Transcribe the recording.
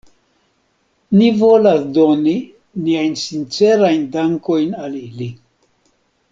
Ni volas doni niajn sincerajn dankojn al ili.